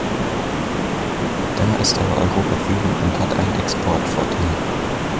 Da ist aber Europa führend und hat einen Exportvorteil.